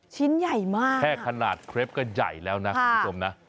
ชิ้นใหญ่มากคุณผู้ชมนะแค่ขนาดเคล็ปก็ใหญ่แล้วนะคุณผู้ชมนะ